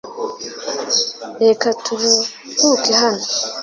Reka turuhuke hano .